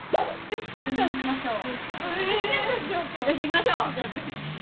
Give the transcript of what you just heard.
よしいきましょう！